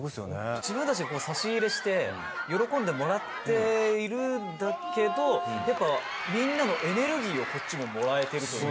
自分たちで差し入れして喜んでもらっているんだけどやっぱみんなのエネルギーをこっちももらえてるというか。